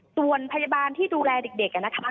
ส่วนพยาบาลที่ดูแลเด็กนะคะ